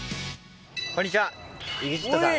こんにちはＥＸＩＴさん。